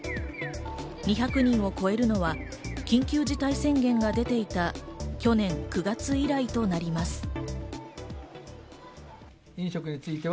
２００人を超えるのは緊急事態宣言が出ていた去年９月以来となります。